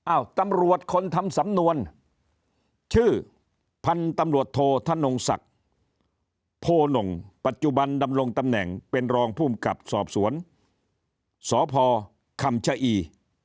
ตำรวจคนทำสำนวนชื่อพันธุ์ตำรวจโทษธนงศักดิ์โพนงปัจจุบันดำรงตำแหน่งเป็นรองภูมิกับสอบสวนสพคำชะอี